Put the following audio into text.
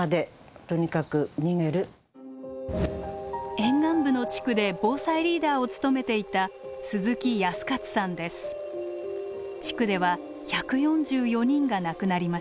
沿岸部の地区で防災リーダーを務めていた地区では１４４人が亡くなりました。